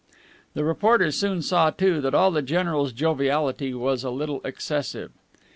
The reporter soon saw, too, that all the general's joviality was a little excessive.